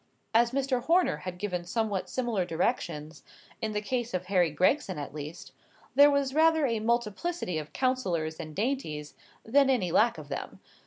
As Mr. Horner had given somewhat similar directions, in the case of Harry Gregson at least, there was rather a multiplicity of counsellors and dainties, than any lack of them.